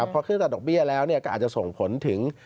พอขึ้นจากดอกเบี้ยแล้วก็อาจจะส่งผลถึง